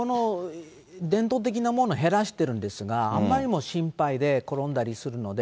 伝統的なものを減らしてるんですが、あまりにも心配で、転んだりするので。